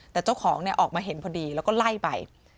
แต่เจ้าของออกมาเห็นพอดีแล้วก็ไล่ไป